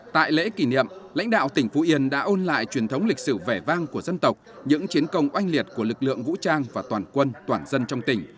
tại lễ kỷ niệm lãnh đạo tỉnh phú yên đã ôn lại truyền thống lịch sử vẻ vang của dân tộc những chiến công oanh liệt của lực lượng vũ trang và toàn quân toàn dân trong tỉnh